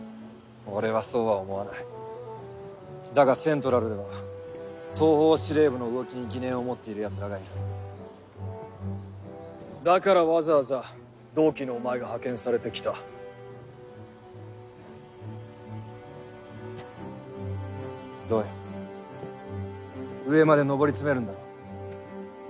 俺はそうは思わないだがセントラルでは東方司令部の動きに疑念を持っているヤツらがいるだからわざわざ同期のお前が派遣されてきたロイ上までのぼり詰めるんだろ？